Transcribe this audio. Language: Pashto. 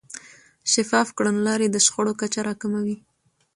شفاف کړنلارې د شخړو کچه راکموي.